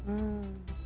itu yang dipermasalahkan